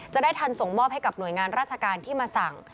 จะได้ทันส่งมอบให้กับหน่วยงานราชการที่มาสั่ง